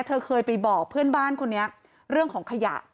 เธอเคยไปบอกเพื่อนบ้านคนนี้เรื่องของขยะ